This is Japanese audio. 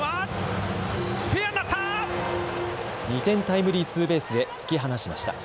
２点タイムリーツーベースで突き放しました。